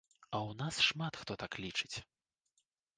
А ў нас шмат хто так і лічыць.